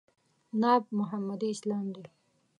ناب محمدي اسلام دی.